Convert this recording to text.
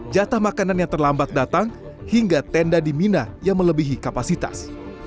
jatah makanan yang terlambat datang hingga tenda di mina yang melebihi kapasitas